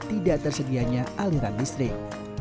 tidak tersedianya aliran listrik